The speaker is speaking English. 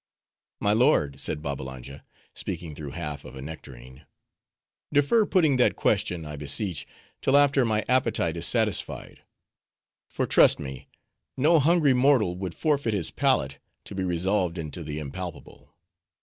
"My lord," said Babbalanja, speaking through half of a nectarine, "defer putting that question, I beseech, till after my appetite is satisfied; for, trust me, no hungry mortal would forfeit his palate, to be resolved into the impalpable."